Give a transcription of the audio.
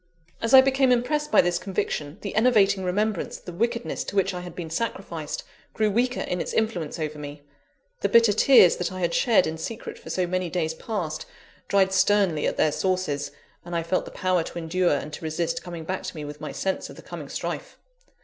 As I became impressed by this conviction, the enervating remembrance of the wickedness to which I had been sacrificed, grew weaker in its influence over me; the bitter tears that I had shed in secret for so many days past, dried sternly at their sources; and I felt the power to endure and to resist coming back to me with my sense of the coming strife.